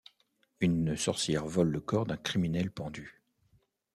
Une sorcière vole le corps d'un criminel pendu.